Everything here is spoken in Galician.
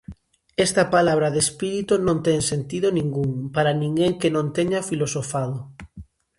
Esta palabra de espírito non ten sentido ningún para ninguén que non teña filosofado.